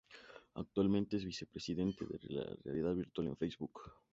Actualmente es vicepresidente de Realidad Virtual en Facebook.